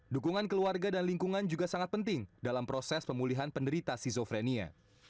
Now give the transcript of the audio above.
dukungan keluarga dan lingkungan juga sangat penting dalam proses pemulihan penderita schizofrenia